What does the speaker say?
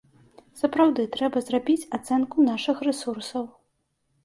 Сапраўды трэба зрабіць ацэнку нашых рэсурсаў.